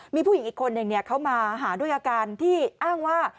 มีผู้หญิงอีกคนนึงเขามาหาด้วยอาการที่อ้างว่า